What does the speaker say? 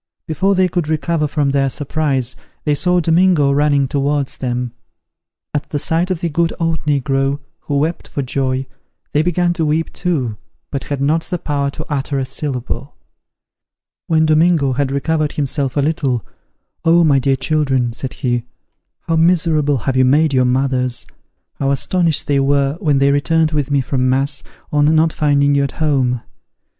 Before they could recover from their surprise, they saw Domingo running towards them. At the sight of the good old negro, who wept for joy, they began to weep too, but had not the power to utter a syllable. When Domingo had recovered himself a little, "Oh, my dear children," said he, "how miserable have you made your mothers! How astonished they were when they returned with me from mass, on not finding you at home.